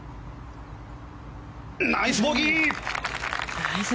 ナイスボギー！